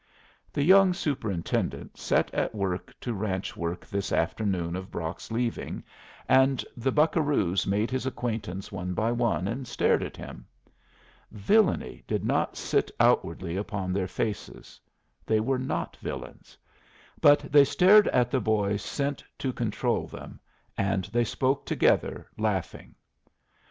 The young superintendent set at work to ranch work this afternoon of Brock's leaving, and the buccaroos made his acquaintance one by one and stared at him. Villany did not sit outwardly upon their faces; they were not villains; but they stared at the boy sent to control them, and they spoke together, laughing.